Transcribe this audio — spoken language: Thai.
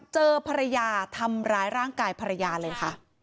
เจอภรรยาทำร้ายร่างกายภรรยาเลยค่ะ